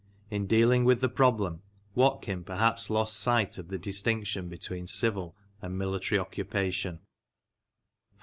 in dealing with the problem Watkin perhaps lost sight of the distinction between civil and military occupation 1 .